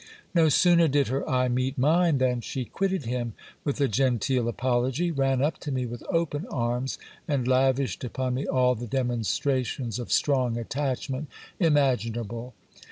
No sooner did her eye meet mine, than she quitted him with a genteel apology, ran up to me with open arms, and lavished upon me all the demonstrations of strong attachment imaginable.